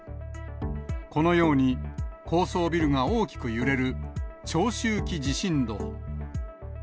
このように、高層ビルが大きく揺れる長周期地震動。